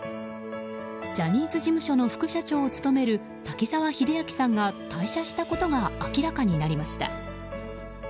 ジャニーズ事務所の副社長を務める滝沢秀明さんが退社したことが明らかになりました。